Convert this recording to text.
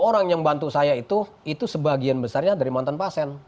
orang yang bantu saya itu itu sebagian besarnya dari mantan pasien